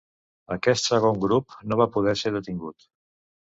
Aquest segon grup no va poder ser detingut.